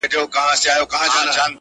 مار دي په لستوڼي کي آدم ته ور وستلی دی-